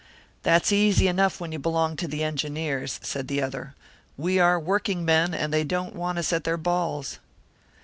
"That's easy enough when you belong to the Engineers," said the other. "We are working men, and they don't want us at their balls."